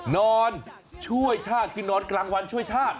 นอนช่วยชาติคือนอนกลางวันช่วยชาติ